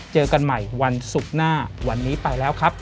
เจอกันใหม่วันศุกร์หน้าวันนี้ไปแล้วครับ